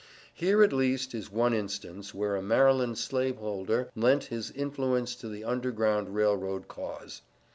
Here at least is one instance where a Maryland slave holder lends his influence to the Underground Rail Road cause.